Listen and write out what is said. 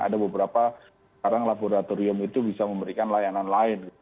ada beberapa sekarang laboratorium itu bisa memberikan layanan lain